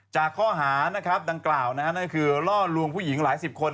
จากข้อหานะครับดังกล่าวนั่นคือล่อลวงผู้หญิงหลายสิบคน